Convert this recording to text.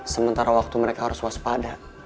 sementara waktu mereka harus waspada